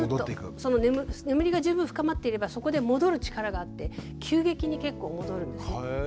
その眠りが十分深まっていればそこで戻る力があって急激に結構戻るんですね。